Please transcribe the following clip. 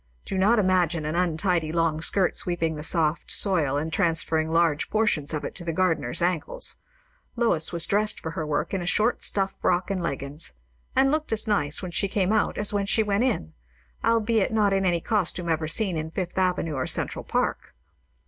Do not imagine an untidy long skirt sweeping the soft soil and transferring large portions of it to the gardener's ankles; Lois was dressed for her work in a short stuff frock and leggins; and looked as nice when she came out as when she went in, albeit not in any costume ever seen in Fifth Avenue or Central Park.